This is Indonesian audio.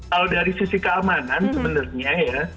kalau dari sisi keamanan sebenarnya ya